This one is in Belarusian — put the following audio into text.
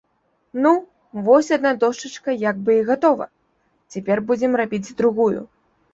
Ну, вось адна дошчачка як бы і гатова, цяпер будзем рабіць другую.